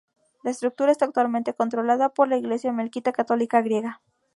La estructura está actualmente controlada por la Iglesia melquita católica griega.